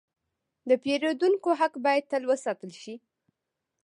د پیرودونکو حق باید تل وساتل شي.